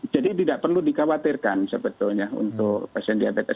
jadi tidak perlu dikhawatirkan sebetulnya untuk pasien diabetes